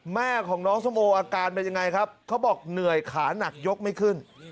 แม่ของน้องส้มโออาการเป็นยังไงครับเขาบอกเหนื่อยขาหนักยกไม่ขึ้น